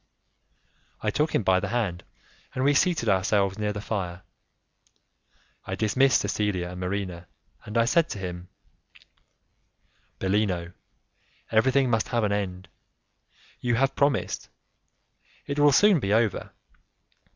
I took him by the hand, and we seated ourselves near the fire. I dismissed Cecilia and Marina, and I said to him, "Bellino, everything must have an end; you have promised: it will soon be over.